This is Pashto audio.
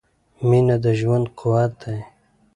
• مینه د ژوند قوت دی.